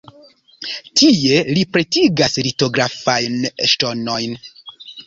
Tie li pretigas litografajn ŝtonojn.